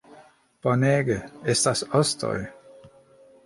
Bonege, estas ostoj